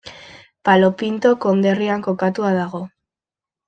Palo Pinto konderrian kokatua dago.